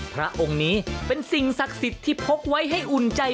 พระองค์นี้เป็นสิ่งศักดิ์สิทธิ์ที่พกไว้ให้อุ่นใจ